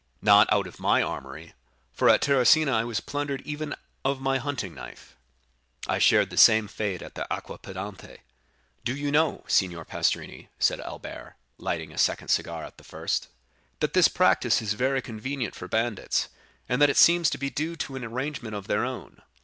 "Not out of my armory, for at Terracina I was plundered even of my hunting knife. And you?" "I shared the same fate at Aquapendente." "Do you know, Signor Pastrini," said Albert, lighting a second cigar at the first, "that this practice is very convenient for bandits, and that it seems to be due to an arrangement of their own."